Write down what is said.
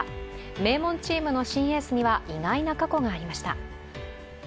名門チームの新エースには意外な過去がありました。